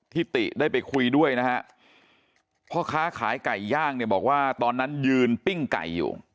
ที่ติได้ไปคุยด้วยนะครับเพราะค้าขายไก่ย่างบอกว่าตอนนั้นยืนปิ้งไก่อยู่